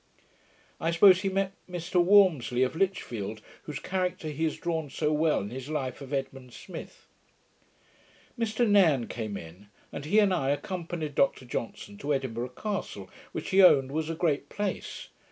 I suppose he meant Mr Walmsley of Lichfield, whose character he has drawn so well in his life of Edmund Smith. Mr Nairne came in, and he and I accompanied Dr Johnson to Edinburgh castle, which he owned was 'a great place'.